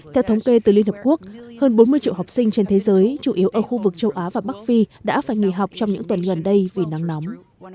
theo thống kê từ liên hợp quốc hơn bốn mươi triệu học sinh trên thế giới chủ yếu ở khu vực châu á và bắc phi đã phải nghỉ học trong những tuần gần đây vì nắng nóng